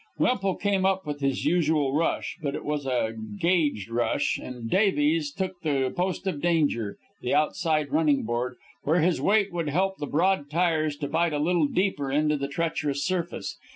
Wemple came up with his usual rush, but it was a gauged rush; and Davies took the post of danger, the outside running board, where his weight would help the broad tires to bite a little deeper into the treacherous surface.